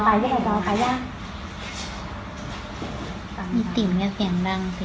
กำลังไปก็ได้จะเอาไปอ่ะนี่ติ๋มเนี้ยเสียงดังสิ